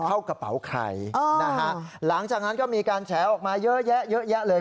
เฮ้ยเข้ากระเป๋าใครหลังจากนั้นก็มีการแชร์ออกมาเยอะเลย